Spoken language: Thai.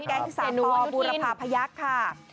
แก๊งที่สาธารณ์บูรพาพยักษ์ค่ะ